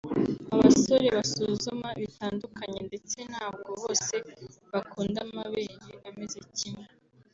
Abasore basuzuma bitandukanye ndetse ntabwo bose bakunda amabere ameze kimwe